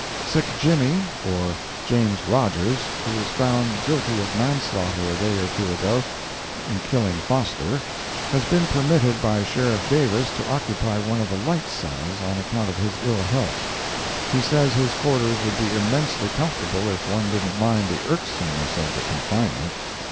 "Sick Jimmy," or James Rodgers, who was found guilty of manslaughter a day or two ago, in killing Foster, has been permitted by Sheriff Davis to occupy one of the light cells, on account of his ill health. He says his quarters would be immensely comfortable if one didn't mind the irksomeness of the confinement.